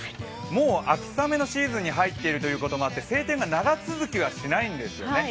もう秋雨のシーズンに入っているということもあって晴天が長続きはしないんですよね。